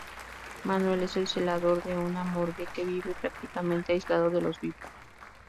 Manuel es el celador de una morgue que vive prácticamente aislado de los vivos.